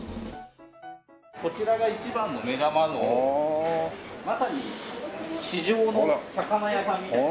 こちらが一番の目玉のまさに市場の魚屋さんみたいな。